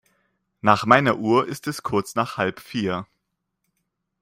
Nach meiner Uhr ist es kurz nach halb vier.